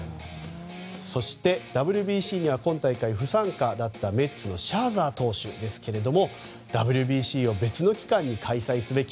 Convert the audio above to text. そしてＷＢＣには今大会不参加だったメッツのシャーザー投手ですがＷＢＣを別の期間に開催すべき。